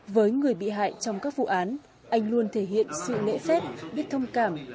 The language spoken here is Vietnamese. với người bị hại trong các vụ án anh luôn thể hiện sự nễ phép biết thông cảm